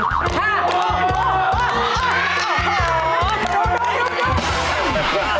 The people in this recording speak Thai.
รู้